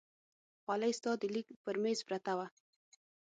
خولۍ ستا د لیک پر مېز پرته وه.